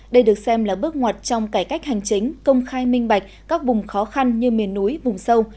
đây được xem là bước ngoặt trong cải cách hành chính công khai minh bạch các vùng khó khăn như miền núi vùng sâu